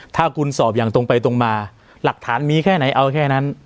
ถ้าคุณสอบอย่างตรงไปตรงมาหลักฐานมีแค่ไหนเอาแค่นั้น